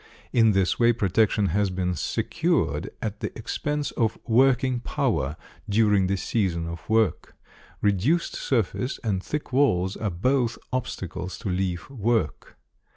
In this way protection has been secured at the expense of working power during the season of work. Reduced surface and thick walls are both obstacles to leaf work.